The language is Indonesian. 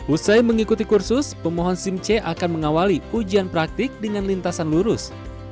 usai mengikuti kursus pemohon sim c akan mengawali ujian praktik dengan lintasan lurus